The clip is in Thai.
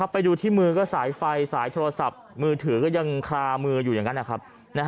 ไปดูที่มือก็สายไฟสายโทรศัพท์มือถือก็ยังคลามืออยู่อย่างนั้นนะครับ